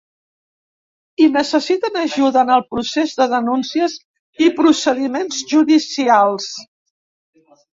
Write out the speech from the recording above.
I necessiten ajuda en el procés de denúncies i procediments judicials.